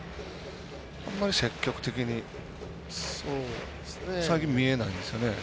あまり積極的に最近見れないですよね。